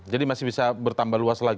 jadi masih bisa bertambah luas lagi